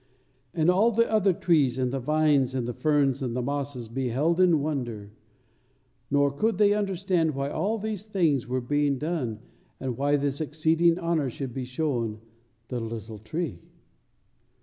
And all the other trees and the vines and the ferns and the mosses beheld in wonder; nor could they understand why all these things were being done, and why this exceeding honor should be shown the little tree.